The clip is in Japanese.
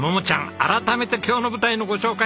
改めて今日の舞台のご紹介